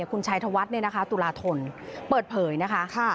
คุณชัยธวัฒน์ตุลาธนเปิดเผยนะคะ